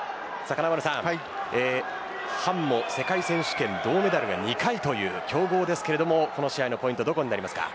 ハンモ世界選手権銅メダルが２回という強豪ですが、この試合のポイントはどこでしょうか。